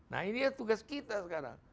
nah ini tugas kita sekarang